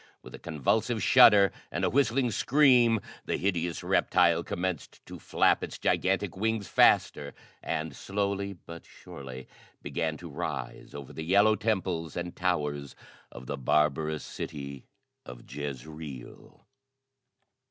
With a convulsive shudder and a whistling scream, the hideous reptile commenced to flap its gigantic wings faster, and, slowly but surely, began to rise over the yellow temples and towers of the barbarous city of Jezreel.